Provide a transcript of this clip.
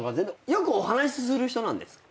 よくお話しする人なんですか？